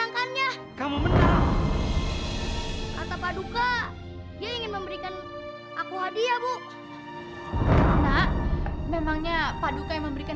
karena saya tidak bisa melihat